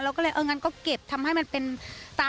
เราก็เลยเอางั้นก็เก็บทำให้มันเป็นตาสองชั้น